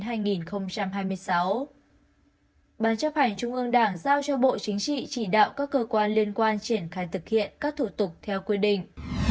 ban chấp hành trung ương đảng giao cho bộ chính trị chỉ đạo các cơ quan liên quan triển khai thực hiện các thủ tục theo quy định